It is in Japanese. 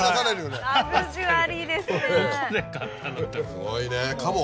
すごいね鴨？